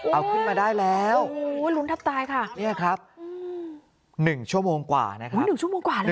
เอาขึ้นมาได้แล้วรุ้นทับตายค่ะนี่ครับ๑ชั่วโมงกว่านะครับ